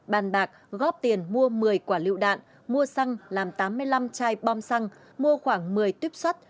bàn bạc góp tiền mua một mươi quả lựu đạn mua xăng làm tám mươi năm chai bom xăng mua khoảng một mươi tuyếp sắt